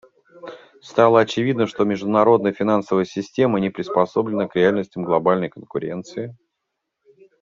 Стало очевидно, что международная финансовая система не приспособлена к реальностям глобальной конкуренции.